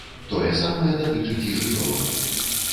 Тое самае датычыць і жывёлаў.